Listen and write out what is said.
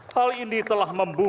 hal ini telah membumi